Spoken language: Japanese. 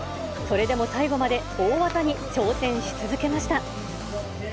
それでも最後まで大技に挑戦し続けました。